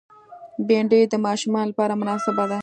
بېنډۍ د ماشومانو لپاره مناسبه ده